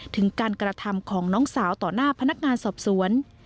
ถึงการกระทำของน้องสาวต่อหน้าพนักงานสอบสวน